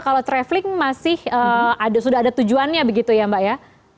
kalau traveling masih ada sudah ada tujuannya begitu ya mbak ya